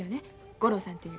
五郎さんという。